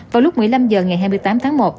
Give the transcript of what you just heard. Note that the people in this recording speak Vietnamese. vào lúc một mươi năm h ngày hai mươi tám tháng một